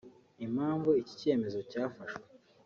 Impamvu iki cyemezo cyafashwe